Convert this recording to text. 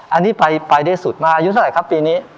อันนี้ไปสุดอายุเฉาะไหนครับนี้